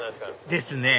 ですね